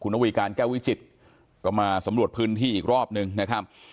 อวีการแก้ววิจิตรก็มาสำรวจพื้นที่อีกรอบนึงนะครับ